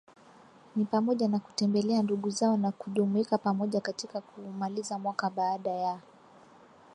ni pamoja na kutembelea ndugu zao na kujumuika pamoja katika kuumaliza mwaka baada ya